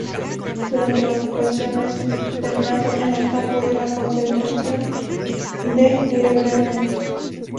Durante la ocupación nazi fue internado en el campo de concentración de Le Vernet.